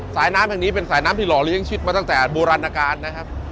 สายน้ำแห่งนี้เป็นสายน้ำที่หล่อเลี้ยชิดมาตั้งแต่โบราณการนะครับ